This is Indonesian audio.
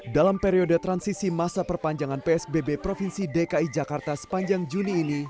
dalam periode transisi masa perpanjangan psbb provinsi dki jakarta sepanjang juni ini